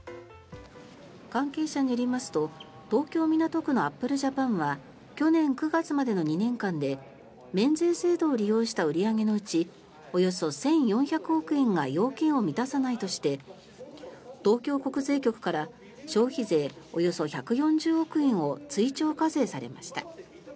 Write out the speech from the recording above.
関係者によりますと東京・港区のアップルジャパンは去年９月までの２年間で免税制度を利用した売り上げのうちおよそ１４００億円が要件を満たさないとして東京国税局から消費税およそ１４０億円を追徴課税されました。